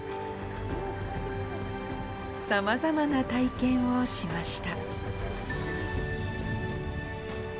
さまざまな体験をしました。